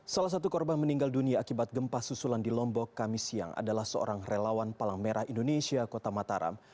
salah satu korban meninggal dunia akibat gempa susulan di lombok kami siang adalah seorang relawan palang merah indonesia kota mataram